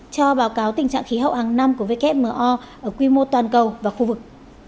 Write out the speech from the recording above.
cho báo cáo tình trạng khí hậu hàng năm của wmo ở quy mô toàn cầu và khu vực